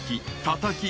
たたき。